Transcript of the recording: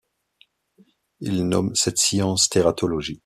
Il nomme cette science tératologie.